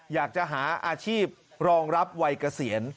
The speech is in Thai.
อยากจะหาอาชีพรองรับวัยเกษียณ